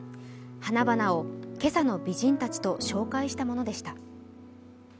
花々を「今朝の美人達」と紹介したものでした。